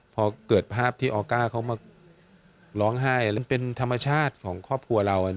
พอเกิดภาพที่ออก้าเขามาร้องไห้แล้วมันเป็นธรรมชาติของครอบครัวเรา